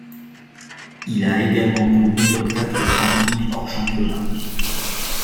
Il a également couru dans quatre Grands Prix hors championnat.